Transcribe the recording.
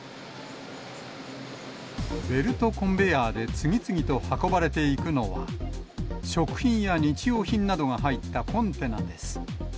ベルトコンベヤーで次々と運ばれていくのは、食品や日用品などが入ったコンテナです。